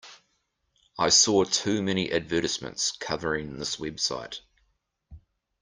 I saw too many advertisements covering this website.